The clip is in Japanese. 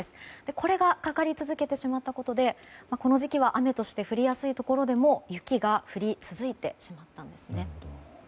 これがかかり続けてしまったことでこの時期は雨として降りやすいところでも雪が降り続いてしまったんです。